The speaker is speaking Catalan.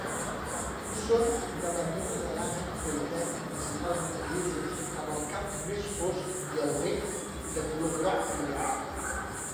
Són de la mida de l'ànec collverd, principalment grisos, amb el cap més fosc i el bec de color groc brillant.